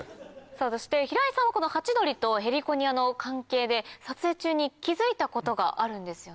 さぁそして平井さんはこのハチドリとヘリコニアの関係で撮影中に気付いたことがあるんですよね？